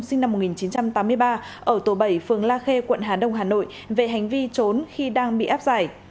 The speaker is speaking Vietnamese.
sinh năm một nghìn chín trăm tám mươi ba ở tổ bảy phường la khê quận hà đông hà nội về hành vi trốn khi đang bị áp giải